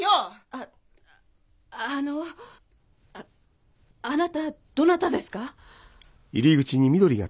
ああのあなたどなたですか？